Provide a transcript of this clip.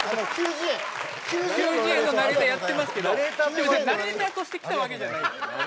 『球辞苑』のナレーターやってますけどナレーターとして来たわけじゃない。